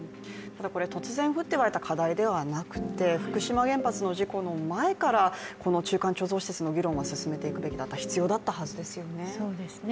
突然降ってわいた課題ではなくて、福島原発の事故の前からこの中間貯蔵施設の議論は進めていくべきだった、必要だったはずですよね。